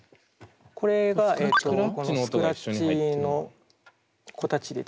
これがスクラッチの子たちでですね。